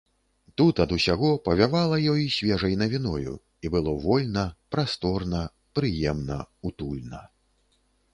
Тут ад усяго павявала ёй свежай навіною, і было вольна, прасторна, прыемна, утульна.